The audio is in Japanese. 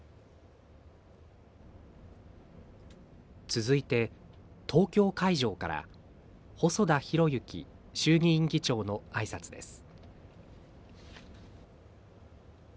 続いて、東京会場から細田博之衆議院議長の挨拶です。